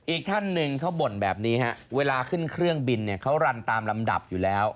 อีกท่านหนึ่งเขาบ่นแบบนี้ฮะเวลาขึ้นเครื่องบินเนี่ยเขารันตามลำดับอยู่แล้ว